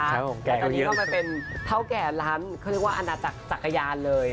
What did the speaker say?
แต่ตอนนี้ก็ไปเป็นเท่าแก่ร้านเขาเรียกว่าอาณาจักรจักรยานเลย